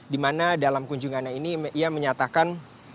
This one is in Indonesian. dimana dalam kunjungannya ini ia menyatakan